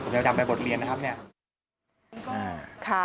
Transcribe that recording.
ผมจะดำไปบทเรียนนะครับเนี่ย